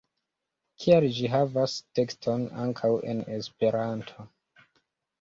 Kial ĝi havas tekston ankaŭ en Esperanto?